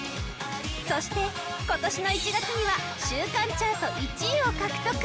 そして、今年の１月には週間チャート１位を獲得！